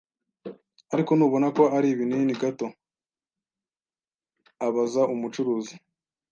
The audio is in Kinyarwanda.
"Ariko ntubona ko ari binini gato?" abaza umucuruzi.